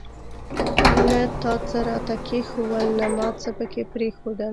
نه تا څه راته کښېښوول ، نه ما څه پکښي پريښودل.